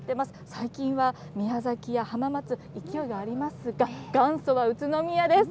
最近は宮崎や浜松、勢いがありますが、元祖は宇都宮です。